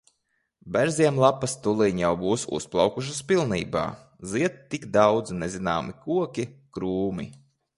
Bērziem lapas tūliņ jau būs uzplaukušas pilnībā. Zied tik daudzi nezināmi koki, krūmi.